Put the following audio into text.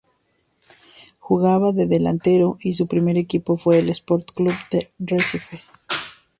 Jugaba de delantero y su primer equipo fue el Sport Club do Recife.